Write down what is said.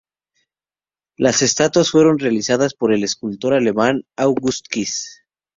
Las estatuas fueron realizadas por el escultor alemán August Kiss.